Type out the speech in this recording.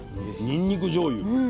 にんにくじょうゆ。